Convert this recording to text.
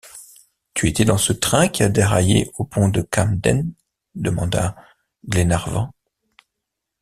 Tu étais dans ce train qui a déraillé au pont de Camden? demanda Glenarvan.